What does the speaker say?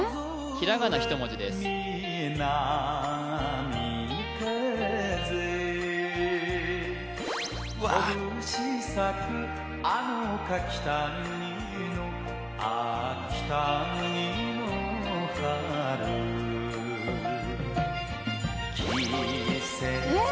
ひらがな１文字ですわあえっ？